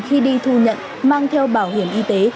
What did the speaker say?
khi đi thu nhận mang theo bảo hiểm y tế